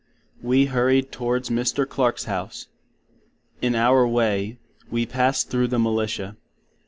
We hurried to wards Mr. Clark's House. In our way, we passed through the Militia.